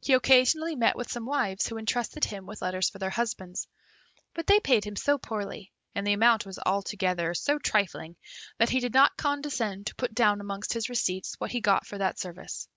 He occasionally met with some wives who entrusted him with letters for their husbands, but they paid him so poorly, and the amount was altogether so trifling, that he did not condescend to put down amongst his receipts what he got for that service.